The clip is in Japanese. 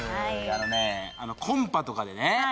あのねコンパとかでね